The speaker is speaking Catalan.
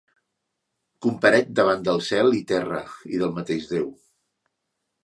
Comparec davant del cel i terra i del mateix Déu.